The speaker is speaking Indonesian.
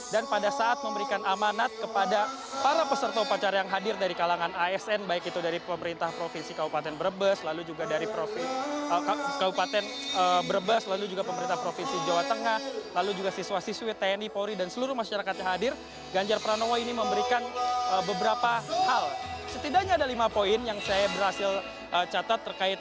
dan pada saat memberikan amanat kepada para peserta upacara yang hadir dari kalangan asn baik itu dari pemerintah provinsi kabupaten brebes lalu juga dari kabupaten brebes lalu juga pemerintah provinsi jawa tengah lalu juga siswa siswi tni polri dan seluruh masyarakat yang hadir